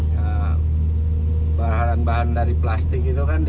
ya bahan bahan dari plastik itu kan